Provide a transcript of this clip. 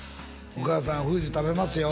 お母さん楓珠食べますよ